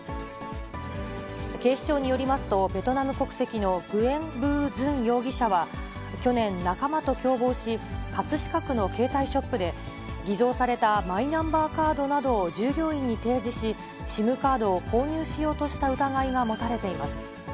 警視庁によりますと、ベトナム国籍のグエン・ヴー・ズン容疑者は、去年、仲間と共謀し、葛飾区の携帯ショップで、偽造されたマイナンバーカードなどを従業員に提示し、ＳＩＭカードを購入しようとした疑いが持たれています。